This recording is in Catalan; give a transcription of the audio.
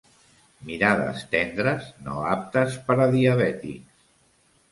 Mirades tendres no aptes per a diabètics.